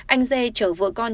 anh z trở vợ con